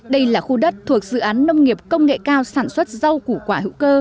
đây là khu đất thuộc dự án nông nghiệp công nghệ cao sản xuất rau củ quả hữu cơ